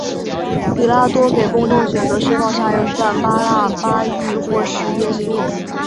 比拉多给公众选择释放杀人犯巴辣巴抑或是耶稣。